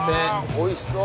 おいしそう。